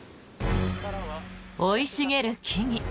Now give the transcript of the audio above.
生い茂る木々。